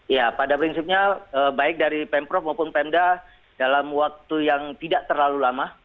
ya pada prinsipnya baik dari pemprov maupun pemda dalam waktu yang tidak terlalu lama